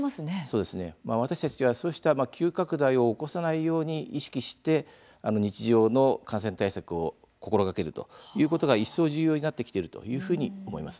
私たちは、そうした急拡大を起こさないように意識して日常の感染対策を心がけるということが一層、重要になってきているというふうに思います。